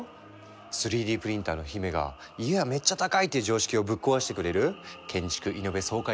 ３Ｄプリンターの姫が家はめっちゃ高いっていう常識をぶっ壊してくれる建築イノベ爽快